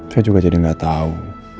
saya juga jadi nggak tahu